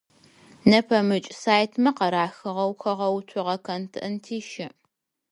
Нэпэмыкӏ сайтмэ къарыхыгъэу хэгъэуцогъэ контенти щыӏ.